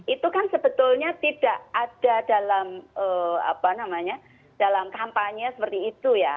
itu kan sebetulnya tidak ada dalam kampanye seperti itu ya